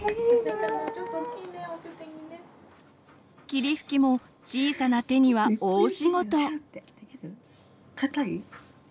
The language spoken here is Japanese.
霧吹きも小さな手には大仕事！